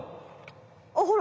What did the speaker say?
あっほら！